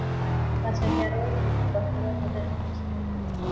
বাছাকে আরো যদি কষ্ট দাও তবে আমি বিষ খাইয়া মরিব!